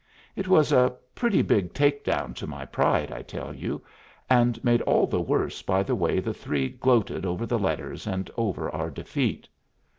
It was a pretty big take down to my pride I tell you, and made all the worse by the way the three gloated over the letters and over our defeat.